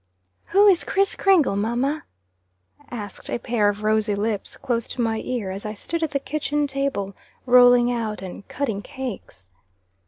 "Who is Kriss Kringle, mamma?" asked a pair of rosy lips, close to my ear, as I stood at the kitchen table, rolling out and cutting cakes.